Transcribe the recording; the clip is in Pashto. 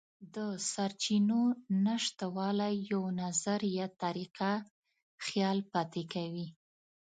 د سرچینو نشتوالی یو نظر یا طریقه خیال پاتې کوي.